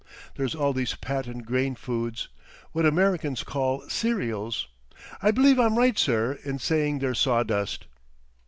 There's all these patent grain foods,—what Americans call cereals. I believe I'm right, sir, in saying they're sawdust."